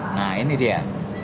nah ini dia